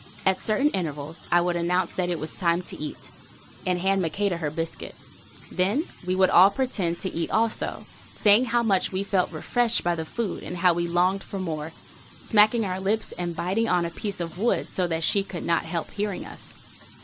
At certain intervals I would announce that it was time to eat, and hand Maqueda her biscuit. Then we would all pretend to eat also, saying how much we felt refreshed by the food and how we longed for more, smacking our lips and biting on a piece of wood so that she could not help hearing us.